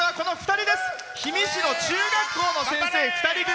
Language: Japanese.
氷見市の中学校の先生２人組。